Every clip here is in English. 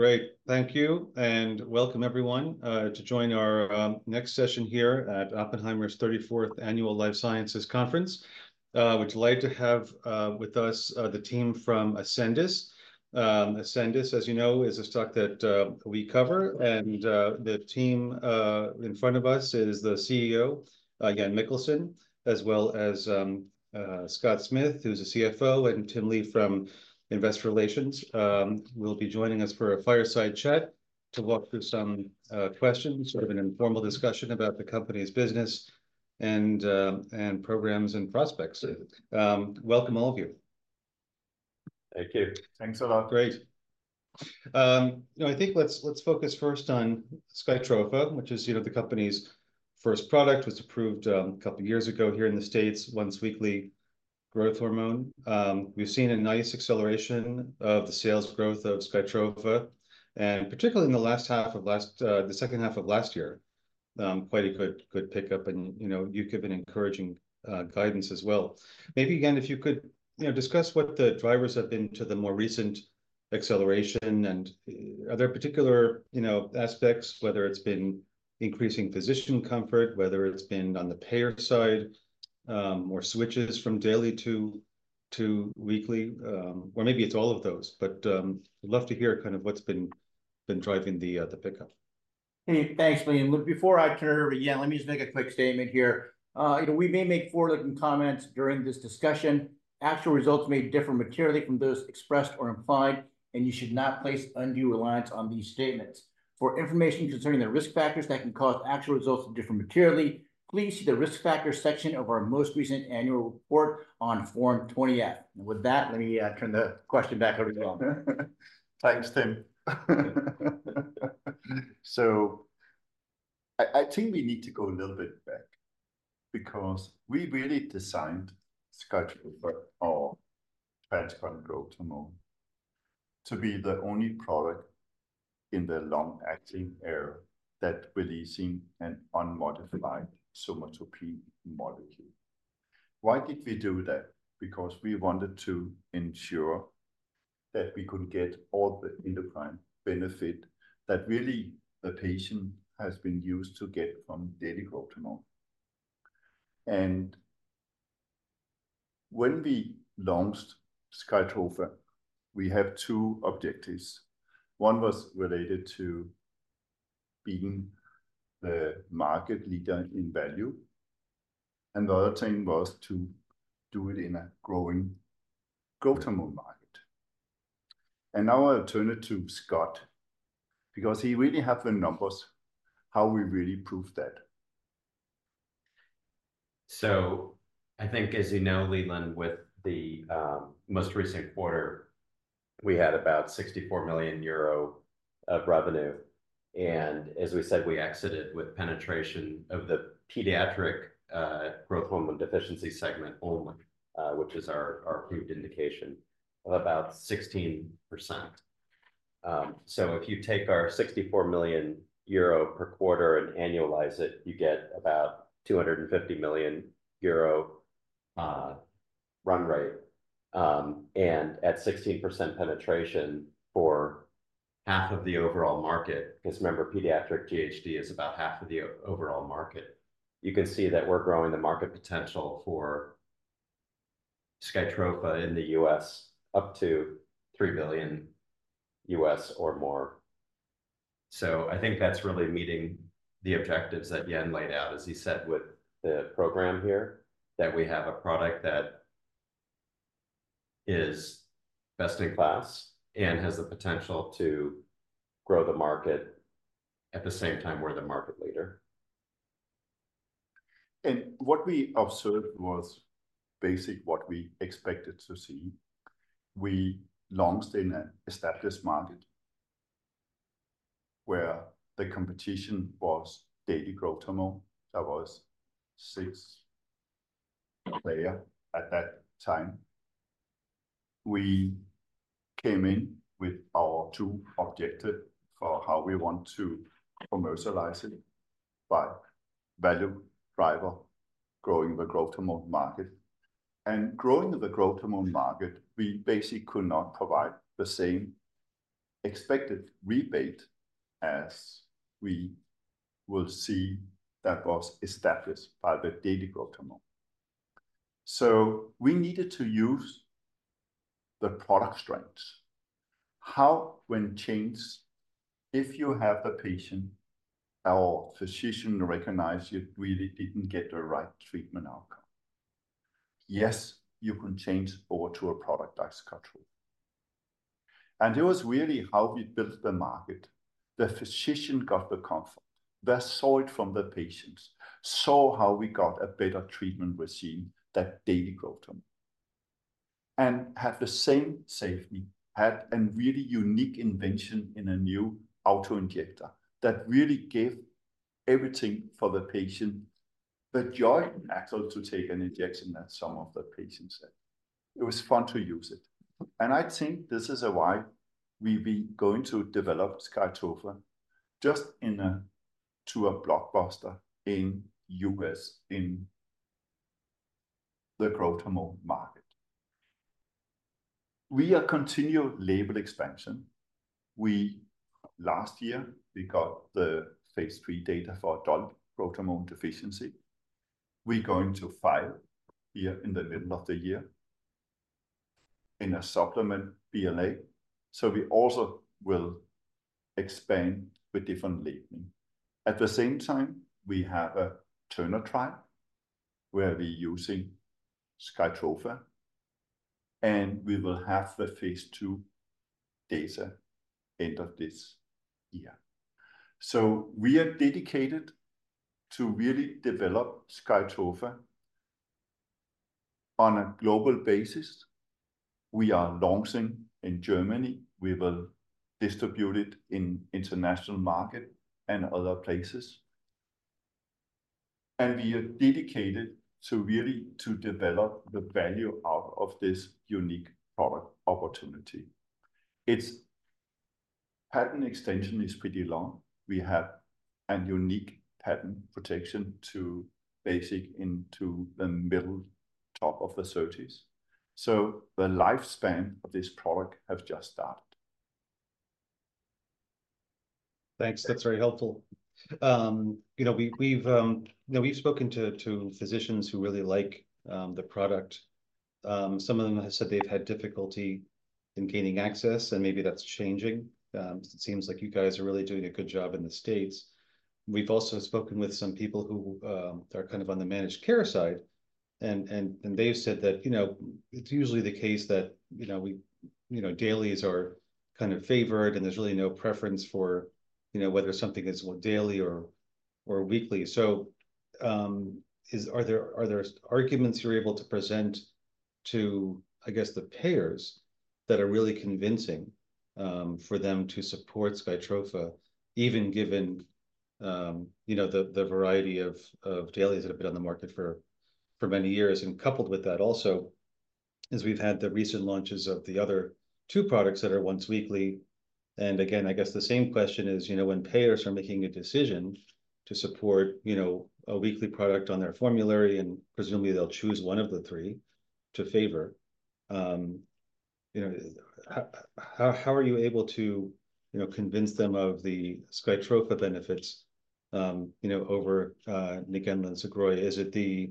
Great, thank you, and welcome everyone to join our next session here at Oppenheimer's 34th Annual Life Sciences Conference. We're delighted to have with us the team from Ascendis. Ascendis, as you know, is a stock that we cover, and the team in front of us is the CEO, Jan Møller Mikkelsen, as well as Scott Smith, who's a CFO, and Tim Lee from Investor Relations. We'll be joining us for a fireside chat to walk through some questions, sort of an informal discussion about the company's business and programs and prospects. Welcome all of you. Thank you. Thanks a lot. Great. You know, I think let's focus first on SKYTROFA, which is, you know, the company's first product, was approved a couple of years ago here in the States, once-weekly growth hormone. We've seen a nice acceleration of the sales growth of SKYTROFA, and particularly in the second half of last year, Q4 could pick up, and, you know, you've given encouraging guidance as well. Maybe, Jan, if you could, you know, discuss what the drivers have been to the more recent acceleration, and are there particular, you know, aspects, whether it's been increasing physician comfort, whether it's been on the payer side, more switches from daily to weekly, or maybe it's all of those, but we'd love to hear kind of what's been driving the pickup. And thanks, Leland. Look, before I turn it over to Jan, let me just make a quick statement here. You know, we may make forward-looking comments during this discussion. Actual results may differ materially from those expressed or implied, and you should not place undue reliance on these statements. For information concerning the risk factors that can cause actual results to differ materially, please see the risk factors section of our most recent annual report on Form 20-F. And with that, let me turn the question back over to you all. Thanks, Tim. So I, I think we need to go a little bit back because we really designed SKYTROFA for TransCon growth hormone to be the only product in the long-acting era that's releasing an unmodified somatropin molecule. Why did we do that? Because we wanted to ensure that we could get all the endocrine benefit that really a patient has been used to get from daily growth hormone. And when we launched SKYTROFA, we had two objectives. One was related to being the market leader in value, and the other thing was to do it in a growing growth hormone market. And now I'll turn it to Scott because he really has the numbers, how we really proved that. So I think, as you know, Leland, with the most recent quarter, we had about 64 million euro of revenue, and as we said, we exited with penetration of the pediatric growth hormone deficiency segment only, which is our approved indication of about 16%. So if you take our 64 million euro per quarter and annualize it, you get about 250 million euro run rate, and at 16% penetration for half of the overall market, because remember, pediatric GHD is about half of the overall market, you can see that we're growing the market potential for SKYTROFA in the U.S. up to $3 billion U.S. or more. So I think that's really meeting the objectives that Jan laid out, as he said, with the program here, that we have a product that is best in class and has the potential to grow the market at the same time we're the market leader. What we observed was basically what we expected to see. We launched in an established market where the competition was daily growth hormone. There was six players at that time. We came in with our two objectives for how we want to commercialize it by value driver, growing the growth hormone market. And growing the growth hormone market, we basically could not provide the same expected rebate as we will see that was established by the daily growth hormone. So we needed to use the product strengths. How can we change if you have a patient, our physician recognizes you really didn't get the right treatment outcome? Yes, you can change over to a product like SKYTROFA. And it was really how we built the market. The physician got the comfort, they saw it from the patients, saw how we got a better treatment regimen, that daily growth hormone, and had the same safety, had a really unique invention in a new autoinjector that really gave everything for the patient, the joy and action to take an injection that some of the patients had. It was fun to use it. I think this is why we'll be going to develop SKYTROFA as a blockbuster in the U.S. in the growth hormone market. We are continuing label expansion. Last year, we got the phase III data for adult growth hormone deficiency. We're going to file here in the middle of the year in a supplemental BLA. So we also will expand with different labeling. At the same time, we have a Turner trial where we're using SKYTROFA, and we will have the phase II data at the end of this year. So we are dedicated to really develop SKYTROFA on a global basis. We are launching in Germany. We will distribute it in the international market and other places. And we are dedicated to really develop the value out of this unique product opportunity. Its patent extension is pretty long. We have a unique patent protection to basically into the middle top of the 30s. So the lifespan of this product has just started. Thanks. That's very helpful. You know, we've, you know, we've spoken to, to physicians who really like the product. Some of them have said they've had difficulty in gaining access, and maybe that's changing. It seems like you guys are really doing a good job in the States. We've also spoken with some people who are kind of on the managed care side, and they've said that, you know, it's usually the case that, you know, dailies are kind of favored, and there's really no preference for, you know, whether something is daily or weekly. So, are there arguments you're able to present to, I guess, the payers that are really convincing for them to support SKYTROFA, even given, you know, the variety of dailies that have been on the market for many years? And coupled with that also, as we've had the recent launches of the other two products that are once weekly. And again, I guess the same question is, you know, when payers are making a decision to support, you know, a weekly product on their formulary, and presumably they'll choose one of the three to favor, you know, how, how, how are you able to, you know, convince them of the SKYTROFA benefits, you know, over Ngenla and Sogroya? Is it the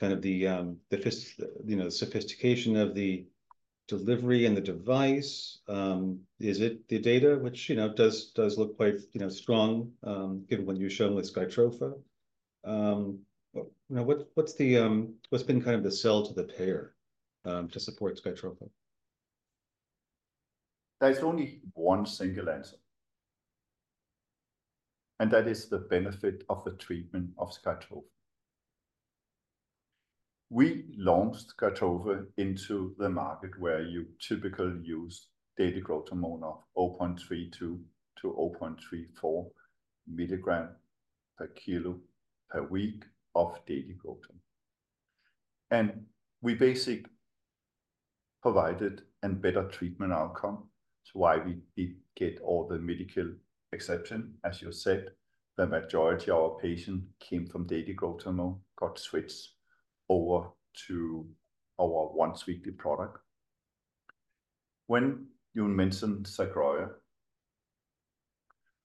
kind of the, the, you know, the sophistication of the delivery and the device? Is it the data, which, you know, does, does look quite, you know, strong, given what you've shown with SKYTROFA? You know, what's, what's the, what's been kind of the sell to the payer, to support SKYTROFA? There's only one single answer, and that is the benefit of the treatment of SKYTROFA. We launched SKYTROFA into the market where you typically use daily growth hormone of 0.32 milligrams-0.34 milligrams per kilo per week of daily growth hormone. We basically provided a better treatment outcome. That's why we did get all the medical exceptions. As you said, the majority of our patients came from daily growth hormone, got switched over to our once-weekly product. When you mentioned Sogroya,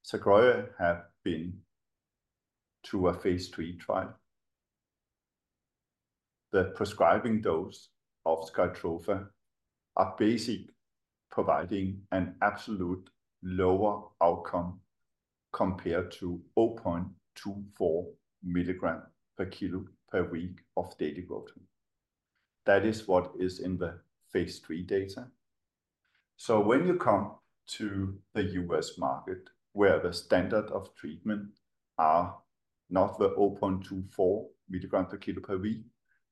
Sogroya has been through a phase III trial. The prescribing dose of SKYTROFA is basically providing an absolute lower outcome compared to 0.24 milligrams per kilo per week of daily growth hormone. That is what is in the phase III data. So when you come to the US market, where the standard of treatment is not the 0.24 milligrams per kilo per week,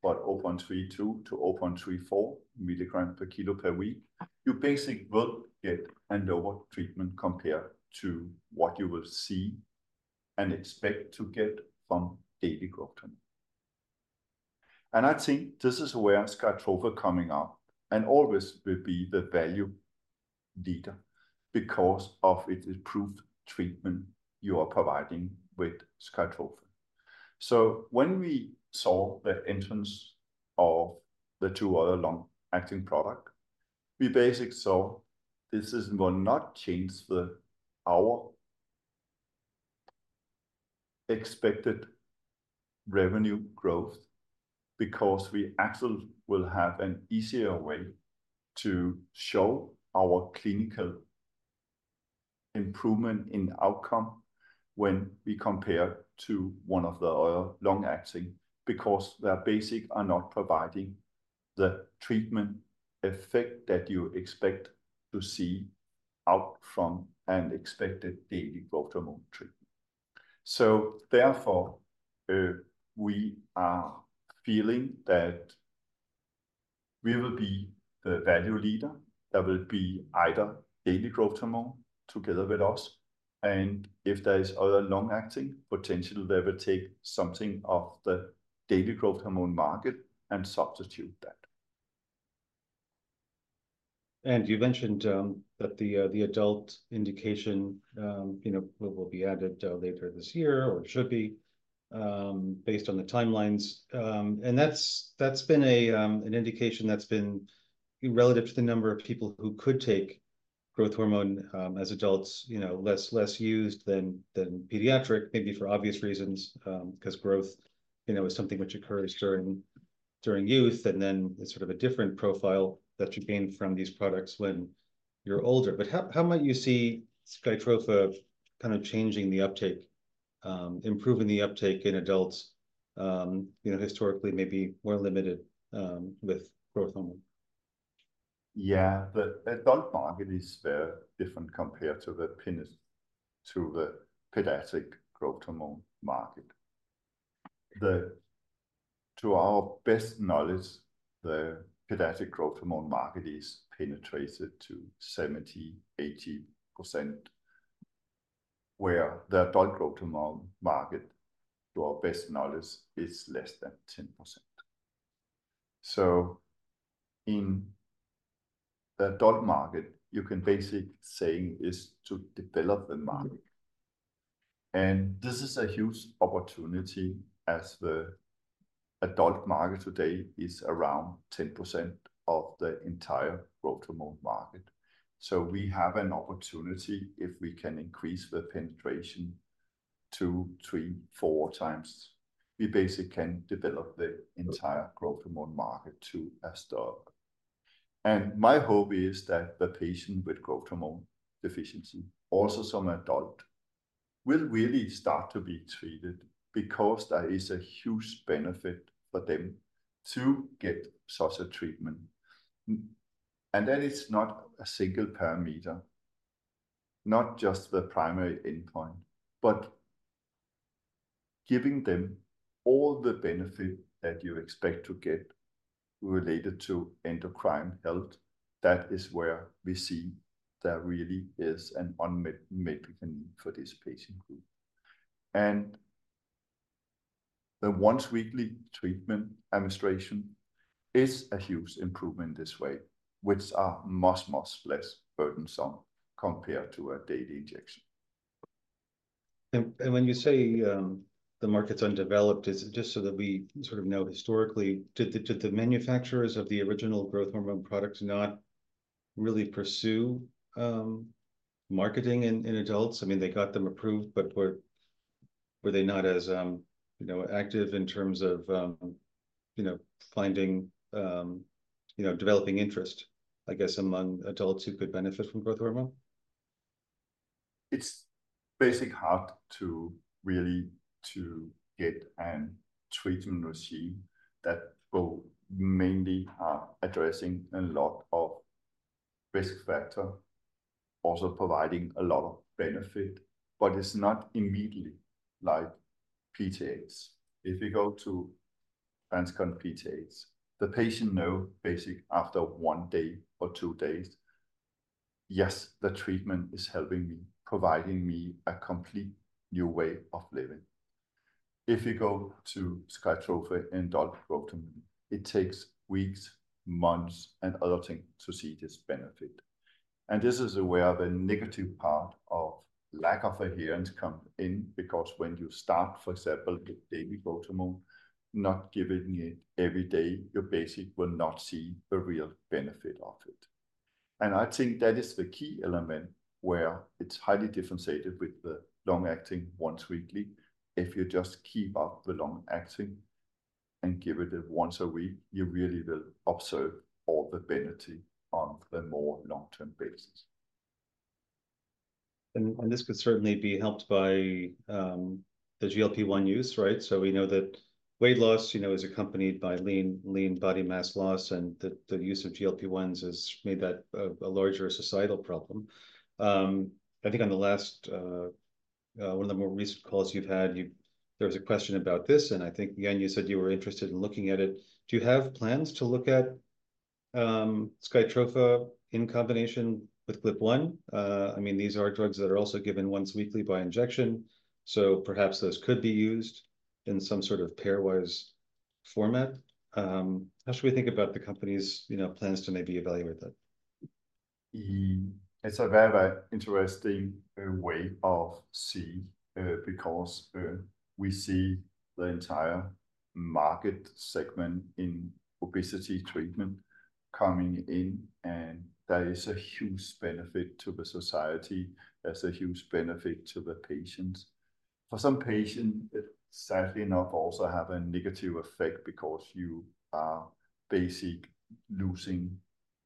but 0.32 milligrams-0.34 milligrams per kilo per week, you basically will get a lower treatment compared to what you will see and expect to get from daily growth hormone. And I think this is where SKYTROFA is coming up and always will be the value leader because of its approved treatment you are providing with SKYTROFA. So when we saw the entrance of the two other long-acting products, we basically saw this is not changing our expected revenue growth because we actually will have an easier way to show our clinical improvement in outcome when we compare to one of the other long-acting because they basically are not providing the treatment effect that you expect to see out from an expected daily growth hormone treatment. Therefore, we are feeling that we will be the value leader that will be either daily growth hormone together with us, and if there is other long-acting potential, they will take something off the daily growth hormone market and substitute that. You mentioned that the adult indication, you know, will be added later this year or should be, based on the timelines. And that's been an indication that's been relative to the number of people who could take growth hormone as adults, you know, less used than pediatric, maybe for obvious reasons, because growth, you know, is something which occurs during youth, and then it's sort of a different profile that you gain from these products when you're older. But how might you see SKYTROFA kind of changing the uptake, improving the uptake in adults, you know, historically maybe more limited, with growth hormone? Yeah, the adult market is very different compared to the pediatric growth hormone market. To our best knowledge, the pediatric growth hormone market is penetrated to 70%-80%, where the adult growth hormone market, to our best knowledge, is less than 10%. So in the adult market, you can basically say it's to develop the market. And this is a huge opportunity as the adult market today is around 10% of the entire growth hormone market. So we have an opportunity if we can increase the penetration to three-four times. We basically can develop the entire growth hormone market to a start. And my hope is that the patient with growth hormone deficiency, also some adult, will really start to be treated because there is a huge benefit for them to get such a treatment. That is not a single parameter, not just the primary endpoint, but giving them all the benefits that you expect to get related to endocrine health. That is where we see there really is an unmet medical need for this patient group. The once-weekly treatment administration is a huge improvement this way, which is much, much less burdensome compared to a daily injection. When you say, the market's undeveloped, is it just so that we sort of know historically, did the manufacturers of the original growth hormone products not really pursue, marketing in adults? I mean, they got them approved, but were they not as, you know, active in terms of, you know, finding, you know, developing interest, I guess, among adults who could benefit from growth hormone? It's basically hard to really get a treatment regime that will mainly address a lot of risk factors, also providing a lot of benefit, but it's not immediately like PTH. If you go to TransCon PTH, the patients know basically after one day or two days, yes, the treatment is helping me, providing me a completely new way of living. If you go to SKYTROFA and adult growth hormone, it takes weeks, months, and other things to see this benefit. And this is where the negative part of lack of adherence comes in. Because when you start, for example, with daily growth hormone, not giving it every day, you basically will not see a real benefit of it. And I think that is the key element where it's highly differentiated with the long-acting once weekly. If you just keep up the long-acting and give it once a week, you really will observe all the benefits on a more long-term basis. This could certainly be helped by the GLP-1 use, right? So we know that weight loss, you know, is accompanied by lean, lean body mass loss, and the use of GLP-1s has made that a larger societal problem. I think on the last, one of the more recent calls you've had, there was a question about this, and I think, Jan, you said you were interested in looking at it. Do you have plans to look at SKYTROFA in combination with GLP-1? I mean, these are drugs that are also given once weekly by injection, so perhaps those could be used in some sort of pairwise format. How should we think about the company's, you know, plans to maybe evaluate that? It's a very interesting way to see, because we see the entire market segment in obesity treatment coming in, and that is a huge benefit to the society. That's a huge benefit to the patients. For some patients, sadly enough, also have a negative effect because you are basically losing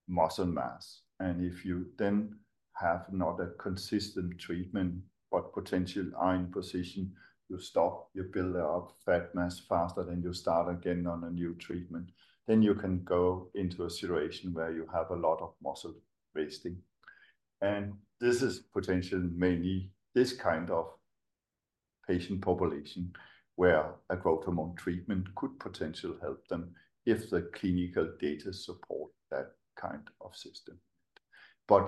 muscle mass. And if you then have not a consistent treatment, but potentially iron deficiency, you stop, you build up fat mass faster than you start again on a new treatment, then you can go into a situation where you have a lot of muscle wasting. And this is potentially mainly this kind of patient population where a growth hormone treatment could potentially help them if the clinical data supports that kind of system.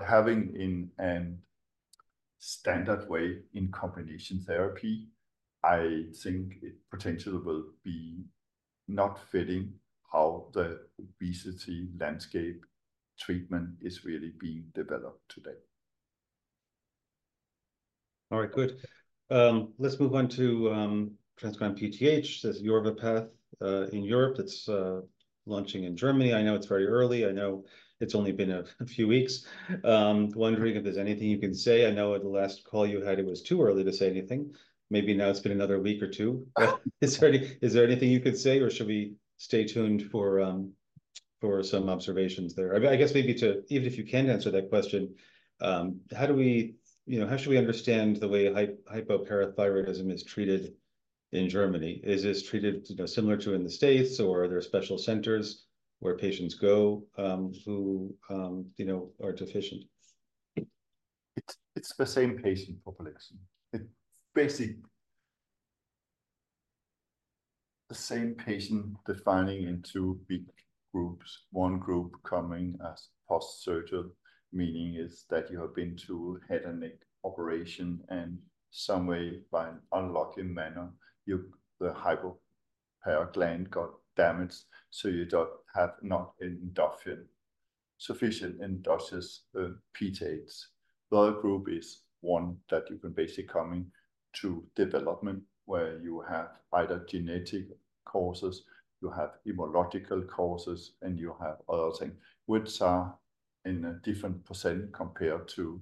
Having it in a standard way in combination therapy, I think it potentially will be not fitting how the obesity landscape treatment is really being developed today. All right, good. Let's move on to TransCon PTH. This is YORVIPATH in Europe. It's launching in Germany. I know it's very early. I know it's only been a few weeks. Wondering if there's anything you can say. I know at the last call you had, it was too early to say anything. Maybe now it's been another week or two. Is there anything you could say, or should we stay tuned for some observations there? I guess maybe too even if you can answer that question, how do we, you know, how should we understand the way hypoparathyroidism is treated in Germany? Is this treated, you know, similar to in the States, or are there special centers where patients go, who, you know, are deficient? It's the same patient population. It's basically the same patient defining into big groups. One group coming as post-surgical, meaning is that you have been through a head and neck operation, and someway by an unlucky manner, the parathyroid gland got damaged, so you don't have not enough sufficient induction of PTHs. The other group is one that you can basically come to development where you have either genetic causes, you have immunological causes, and you have other things, which are in a different percentage compared to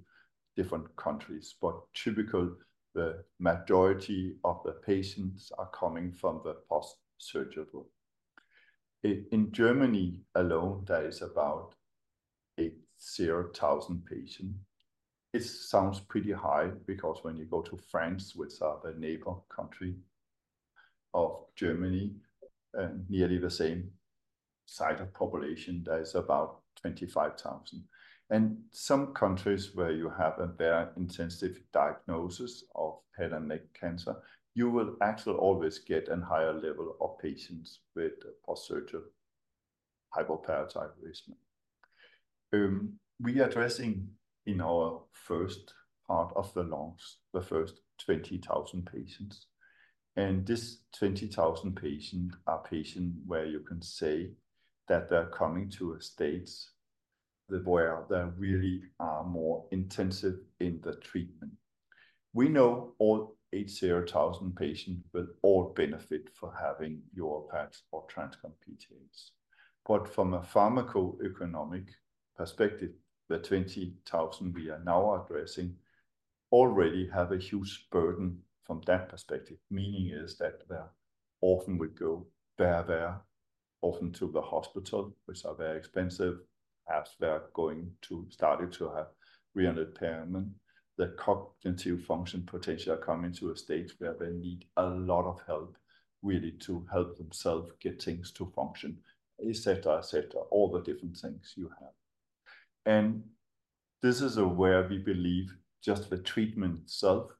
different countries. But typically, the majority of the patients are coming from the post-surgical group. In Germany alone, there are about 80,000 patients. It sounds pretty high because when you go to France, which is the neighboring country of Germany, nearly the same size of population, there are about 25,000. Some countries where you have a very intensive diagnosis of head and neck cancer, you will actually always get a higher level of patients with post-surgical hypoparathyroidism. We are addressing in our first part of the launch, the first 20,000 patients. These 20,000 patients are patients where you can say that they're coming to the states where they really are more intensive in the treatment. We know all 80,000 patients will all benefit from having YORVIPATH or TransCon PTH. But from a pharmaceutical economic perspective, the 20,000 we are now addressing already have a huge burden from that perspective. Meaning is that they often will go very, very often to the hospital, which is very expensive. Perhaps they're going to start to have rehabilitation. The cognitive function potential coming to the States where they need a lot of help really to help themselves get things to function, etc., etc., all the different things you have. And this is where we believe just the treatment itself.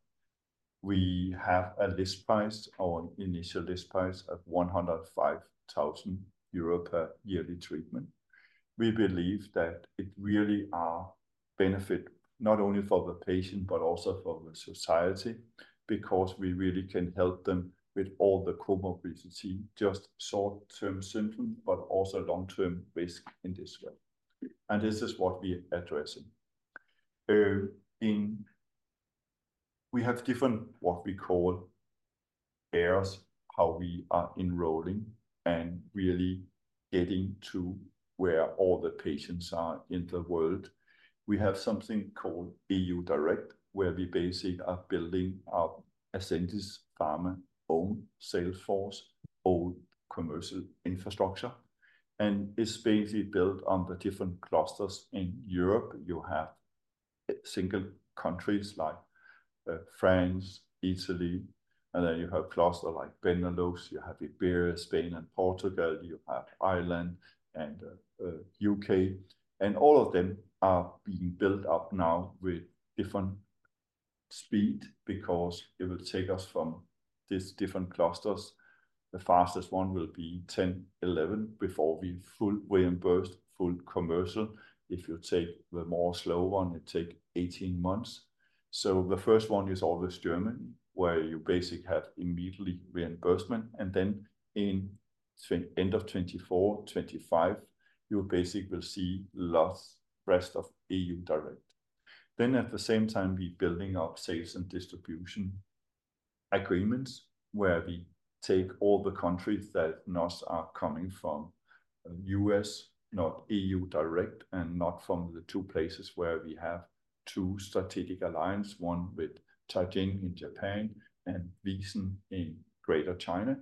We have a list price, our initial list price of 105,000 euro per yearly treatment. We believe that it really benefits not only for the patient but also for the society because we really can help them with all the comorbidities, just short-term symptoms, but also long-term risk in this way. And this is what we are addressing. We have different what we call areas, how we are enrolling and really getting to where all the patients are in the world. We have something called EU Direct, where we basically are building our Ascendis Pharma own salesforce, own commercial infrastructure, and it's basically built on the different clusters in Europe. You have single countries like France, Italy, and then you have a cluster like Benelux. You have Iberia, Spain, and Portugal. You have Ireland and the UK, and all of them are being built up now with different speed because it will take us from these different clusters. The fastest one will be 10, 11 before we are fully reimbursed, fully commercial. If you take the more slow one, it takes 18 months. So the first one is always Germany, where you basically have immediate reimbursement. And then in the end of 2024, 2025, you basically will see lots rest of EU Direct. Then at the same time, we are building up sales and distribution agreements where we take all the countries that are coming from the US, not EU Direct, and not from the two places where we have two strategic alliances, one with Teijin in Japan and VISEN in Greater China.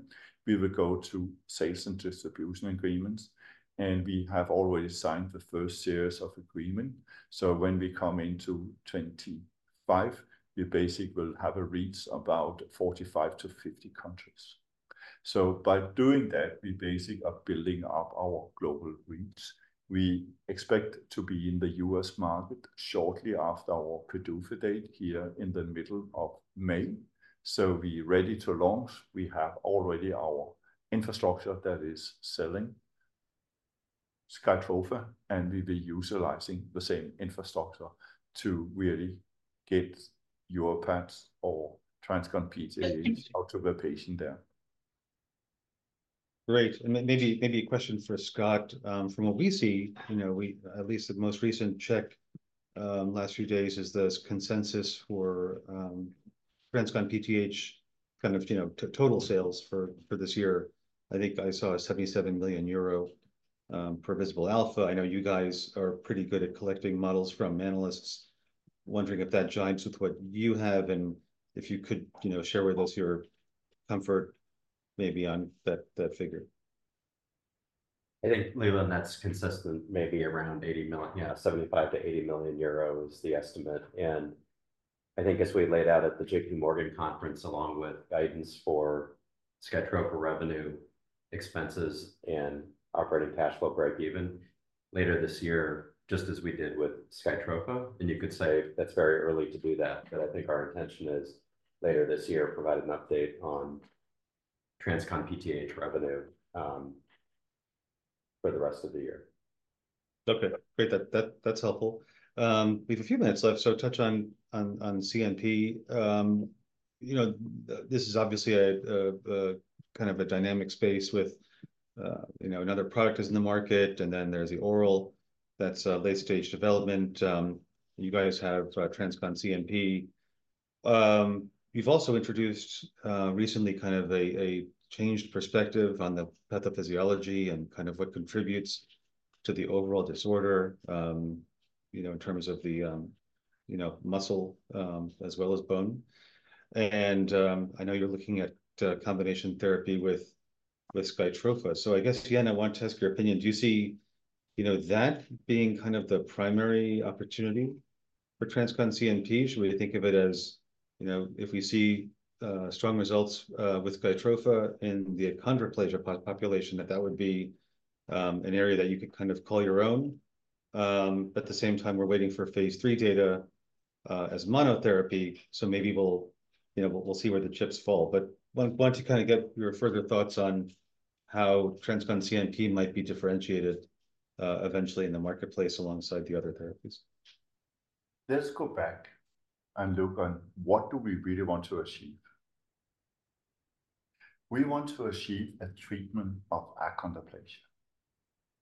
We will go to sales and distribution agreements, and we have already signed the first series of agreements. So when we come into 2025, we basically will have a reach of about 45-50 countries. So by doing that, we basically are building up our global reach. We expect to be in the US market shortly after our PDUFA date here in the middle of May. So we are ready to launch. We have already our infrastructure that is selling SKYTROFA, and we will be utilizing the same infrastructure to really get YORVIPATH or TransCon PTH out to the patient there. Great. And maybe a question for Scott. From what we see, you know, at least the most recent check last few days is this consensus for TransCon PTH kind of, you know, total sales for this year. I think I saw 77 million euro per Visible Alpha. I know you guys are pretty good at collecting models from analysts, wondering if that joins with what you have and if you could, you know, share with us your comfort maybe on that figure. I think, Leland, that's consistent. Maybe around 75 million-80 million is the estimate. I think as we laid out at the JPMorgan conference, along with guidance for SKYTROFA revenue expenses and operating cash flow break-even later this year, just as we did with SKYTROFA. You could say that's very early to do that, but I think our intention is later this year, provide an update on TransCon PTH revenue for the rest of the year. Okay, great. That's helpful. We have a few minutes left, so touch on CNP. You know, this is obviously a kind of a dynamic space with, you know, another product is in the market, and then there's the oral. That's a late-stage development. You guys have TransCon CNP. You've also introduced recently kind of a changed perspective on the pathophysiology and kind of what contributes to the overall disorder, you know, in terms of the, you know, muscle as well as bone. And I know you're looking at combination therapy with SKYTROFA. So I guess, Jan, I want to ask your opinion. Do you see, you know, that being kind of the primary opportunity for TransCon CNP? Should we think of it as, you know, if we see strong results with SKYTROFA in the achondroplasia population, that that would be an area that you could kind of call your own? At the same time, we're waiting for phase III data as monotherapy, so maybe we'll, you know, we'll see where the chips fall. But I want to kind of get your further thoughts on how TransCon CNP might be differentiated eventually in the marketplace alongside the other therapies. Let's go back and look on what do we really want to achieve. We want to achieve a treatment of achondroplasia,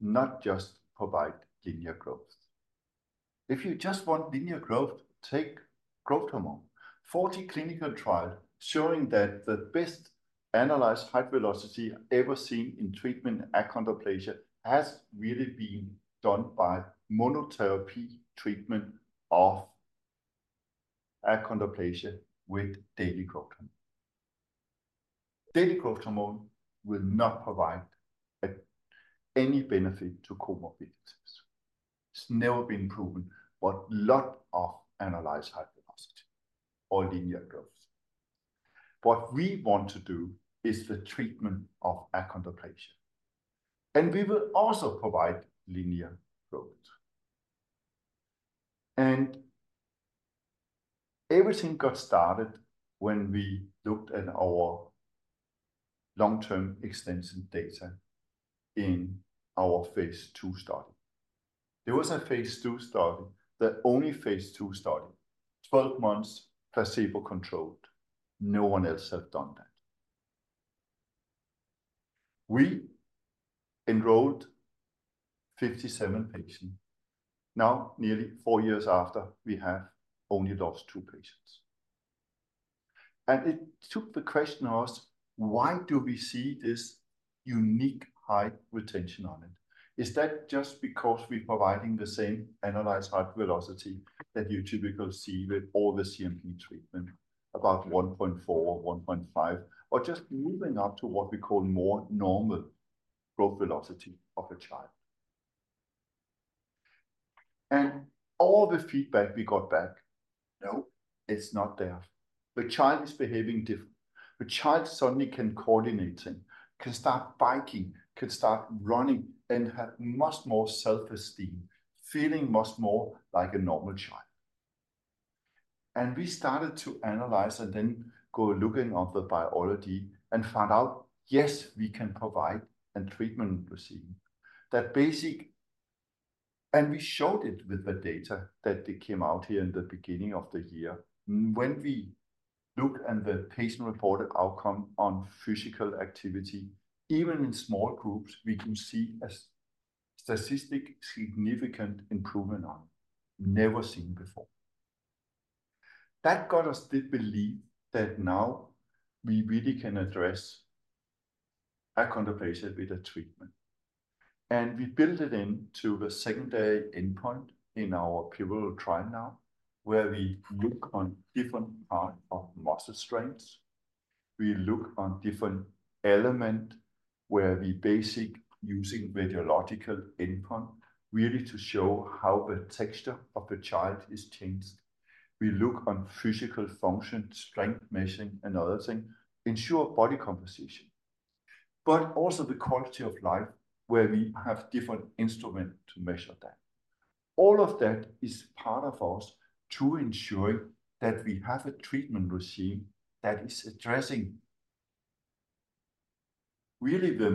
not just provide linear growth. If you just want linear growth, take growth hormone, 40 clinical trials showing that the best annualized height velocity ever seen in treatment achondroplasia has really been done by monotherapy treatment of achondroplasia with daily growth hormone. Daily growth hormone will not provide any benefit to comorbidities. It's never been proven, but a lot of annualized height velocity or linear growth. What we want to do is the treatment of achondroplasia, and we will also provide linear growth. Everything got started when we looked at our long-term extension data in our phase II study. There was a phase II study, the only phase II study, 12 months placebo controlled. No one else had done that. We enrolled 57 patients. Now, nearly four years after, we have only lost two patients. It took the question to us, why do we see this unique height retention on it? Is that just because we are providing the same annualized height velocity that you typically see with all the CNP treatment, about 1.4%-1.5%, or just moving up to what we call more normal growth velocity of a child? All the feedback we got back, no, it's not there. The child is behaving differently. The child suddenly can coordinate, can start biking, can start running, and have much more self-esteem, feeling much more like a normal child. We started to analyze and then go looking at the biology and found out, yes, we can provide a treatment regimen that basically... We showed it with the data that came out here in the beginning of the year. When we looked at the patient-reported outcome on physical activity, even in small groups, we can see a statistically significant improvement on it, never seen before. That got us to believe that now we really can address achondroplasia with a treatment. We built it into the secondary endpoint in our pivotal trial now, where we look on different parts of muscle strengths. We look on different elements where we basically use radiological endpoint really to show how the texture of the child is changed. We look on physical function, strength measuring, and other things, ensure body composition, but also the quality of life, where we have different instruments to measure that. All of that is part of us to ensure that we have a treatment regimen that is addressing really the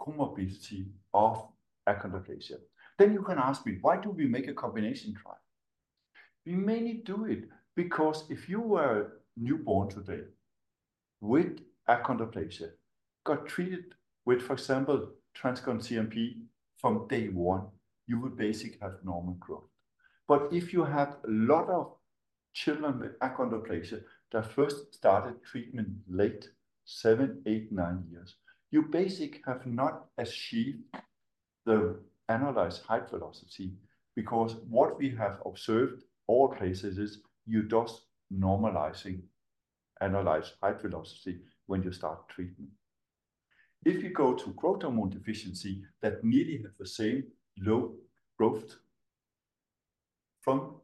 comorbidity of achondroplasia. Then you can ask me, why do we make a combination trial? We mainly do it because if you were a newborn today with achondroplasia, got treated with, for example, TransCon CNP from day one, you would basically have normal growth. But if you have a lot of children with achondroplasia that first started treatment late, seven, eight, nine years, you basically have not achieved the annualized height velocity because what we have observed in all places is you're just normalizing annualized height velocity when you start treatment. If you go to growth hormone deficiency that nearly has the same low growth from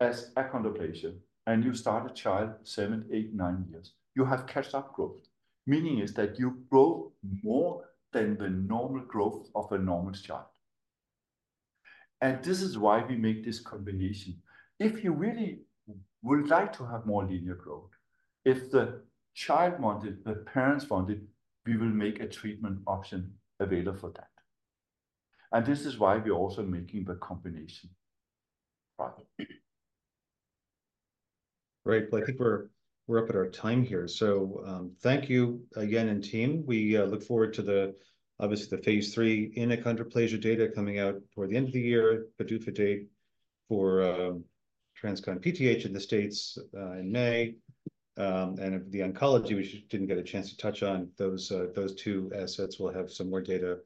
achondroplasia and you start a child seven, eight, nine years, you have catch-up growth. Meaning is that you grow more than the normal growth of a normal child. And this is why we make this combination. If you really would like to have more linear growth, if the child wanted it, the parents wanted it, we will make a treatment option available for that. This is why we are also making the combination trial. Great. Well, I think we're up at our time here. So thank you again and team. We look forward to the, obviously, the phase III in achondroplasia data coming out toward the end of the year, PDUFA date for TransCon PTH in the States in May. And of the oncology, we didn't get a chance to touch on those. Those two assets will have some more data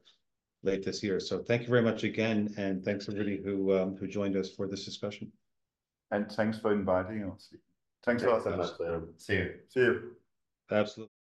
late this year. So thank you very much again, and thanks everybody who joined us for this discussion. Thanks for inviting us. Thanks for us. See you. See you. Absolutely.